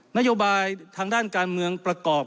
นโยบายทางด้านการเมืองประกอบ